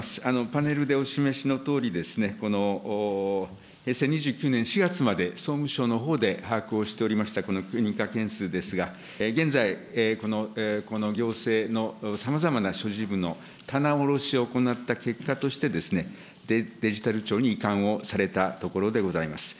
パネルでお示しのとおりですね、この平成２９年４月まで、総務省のほうで把握をしておりました、この件数ですが、現在、この行政のさまざまな諸事務の棚卸を行った結果としてですね、デジタル庁に移管をされたところであります。